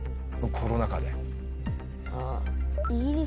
コロナ禍で。